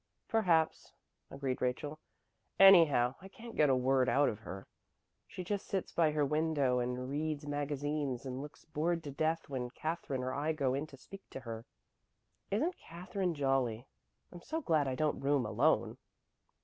"Perhaps," agreed Rachel. "Anyhow, I can't get a word out of her. She just sits by her window and reads magazines and looks bored to death when Katherine or I go in to speak to her. Isn't Katherine jolly? I'm so glad I don't room alone."